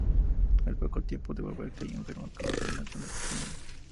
Al poco tiempo de volver cayó enfermo por inflamación de los pulmones.